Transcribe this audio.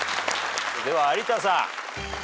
では有田さん。